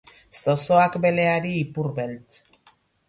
Zozoak beleari ipurbeltz.